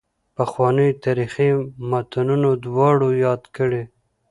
پخوانیو تاریخي متونو دواړه یاد کړي.